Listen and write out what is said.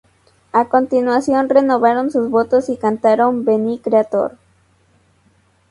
A continuación, renovaron sus votos y cantaron "Veni Creator".